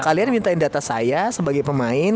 kalian mintain data saya sebagai pemain